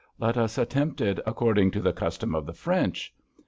Let us attempt it according to the custom of the French.